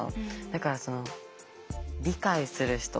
だから理解する人